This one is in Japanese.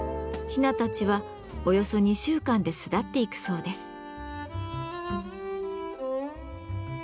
ヒナたちはおよそ２週間で巣立っていくそうです。